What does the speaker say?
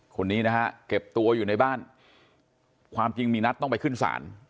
คนนี้นะฮะเก็บตัวอยู่ในบ้านความจริงมีนัดต้องไปขึ้นศาล